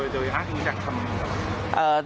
โดยอ้างอิงจากคำนี้ครับ